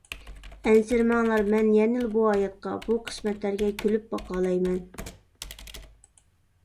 ئەنسىرىمەڭلار مەن يەنىلا بۇ ھاياتقا، بۇ قىسمەتلەرگە كۈلۈپ باقالايمەن.